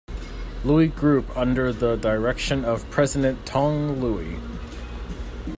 Louie Group under the direction of President Tong Louie.